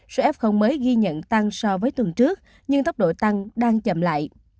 số f mới ghi nhận tăng so với tuần trước nhưng tốc độ tăng đang chậm lại